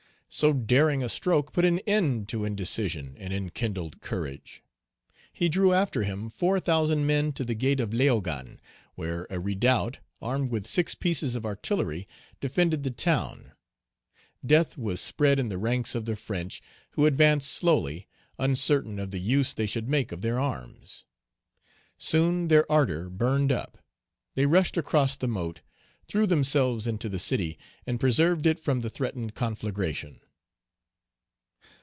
So daring a stroke put an end to indecision and enkindled courage; he drew after him four thousand men to the gate of Leogane, where a redoubt, armed with six pieces of artillery, defended the town. Death was spread in the ranks of the French, who advanced slowly, uncertain of the use they should make of their arms. Soon their ardor burned up; they rushed across the moat, threw themselves into the city, and preserved it from the threatened conflagration.